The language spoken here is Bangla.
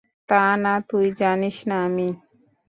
তা না তুই জানিস না আমি!